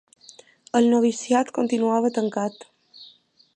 El noviciat continuava tancat.